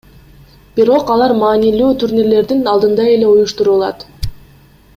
Бирок алар маанилүү турнирлердин алдында эле уюштурулат.